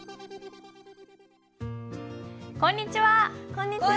こんにちは。